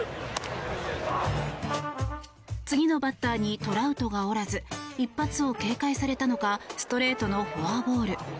次のバッターにトラウトがおらず一発を警戒されたのかストレートのフォアボール。